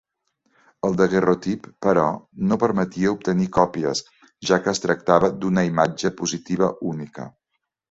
El daguerreotip, però, no permetia obtenir còpies, ja que es tractava d’una imatge positiva única.